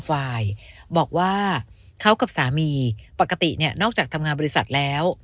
ฝ่ายบอกว่าเขากับสามีปกติเนี่ยนอกจากทำงานบริษัทแล้ว